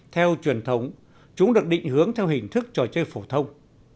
theo truyền thống chúng được định hướng theo hình thức trò chơi phổ thông